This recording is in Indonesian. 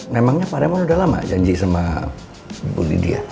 memangnya pak raymond udah lama janji sama bu lydia